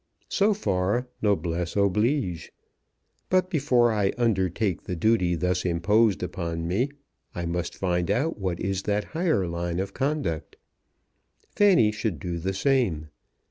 So far, noblesse oblige. But before I undertake the duty thus imposed upon me, I must find out what is that higher line of conduct. Fanny should do the same.